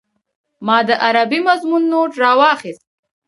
ما د عربي مضمون نوټ راواخيست.